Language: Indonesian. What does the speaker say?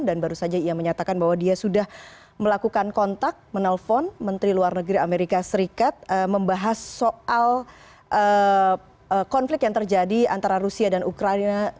dan baru saja ia menyatakan bahwa dia sudah melakukan kontak menelpon menteri luar negeri amerika serikat membahas soal konflik yang terjadi antara rusia dan ukraina